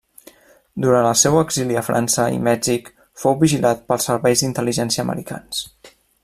Durant el seu exili a França i Mèxic fou vigilat pels serveis d'intel·ligència americans.